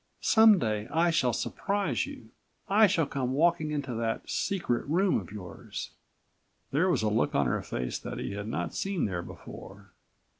Some day I shall surprise you. I shall come walking into that secret room of yours." There was a look on her face that he had not seen there before.